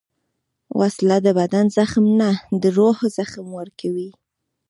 وسله د بدن زخم نه، د روح زخم ورکوي